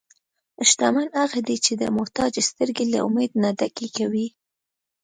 شتمن هغه دی چې د محتاج سترګې له امید نه ډکې کوي.